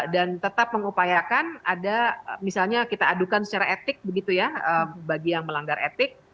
tetap mengupayakan ada misalnya kita adukan secara etik begitu ya bagi yang melanggar etik